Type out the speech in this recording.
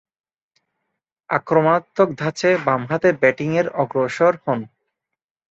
আক্রমণাত্মক ধাঁচে বামহাতে ব্যাটিংয়ে অগ্রসর হন।